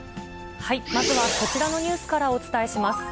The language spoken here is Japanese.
まずはこちらのニュースからお伝えします。